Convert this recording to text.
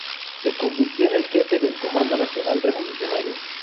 Se convirtió en el jefe del Comando Nacional Revolucionario.